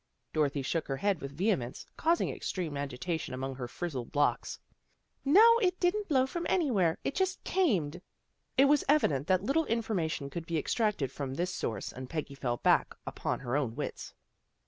Dorothy shook her head with vehemence, causing extreme agitation among her frizzled locks. " No, it didn't blow from anywhere. It just earned." It was evident that little in formation could be extracted from this source and Peggy fell back upon her own wits.